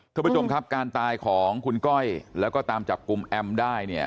ครับประจงครับการตายของคุณก้อยแล้วก็ตามจับกลุ่มแอมด้อย